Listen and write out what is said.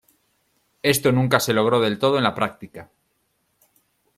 Esto nunca se logró del todo en la práctica.